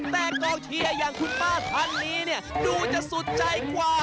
แต่กองเชียร์อย่างคุณป้าท่านนี้เนี่ยดูจะสุดใจกว่า